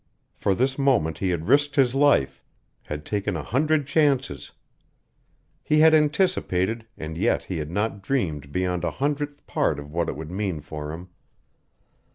For this moment he had risked his life, had taken a hundred chances; he had anticipated, and yet he had not dreamed beyond a hundredth part of what it would mean for him.